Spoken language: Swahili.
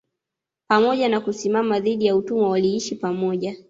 Pamoja na kusimama dhidi ya utumwa waliishi pamoja